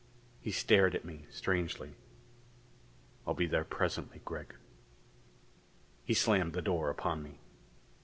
He stared at me strangely. "I'll be there presently, Gregg." He slammed the door upon me.